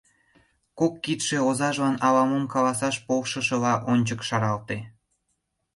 Кок кидше, озажлан ала-мом каласаш полшышыла, ончык шаралте.